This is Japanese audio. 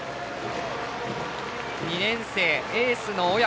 ２年生エースの小宅